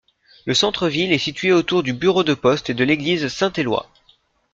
Le centre-ville est situé autour du bureau de poste et de l'église Saint-Éloi.